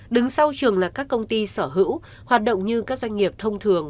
đứng sau trường là các công ty sở hữu hoạt động như các doanh nghiệp thông thường